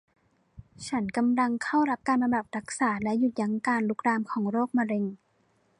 ฉันกำลังเข้ารับการบำบัดรักษาและหยุดยั้งการลุกลามของโรคมะเร็ง